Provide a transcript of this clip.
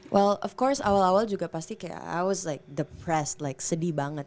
well of course awal awal juga pasti kayak i was like depressed like sedih banget